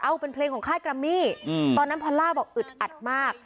เอาเป็นเพลงของค่ายกรัมมี่ตอนนั้นพอลล่าบอกอึดอัดมาก